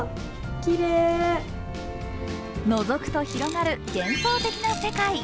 のぞくと広がる幻想的な世界。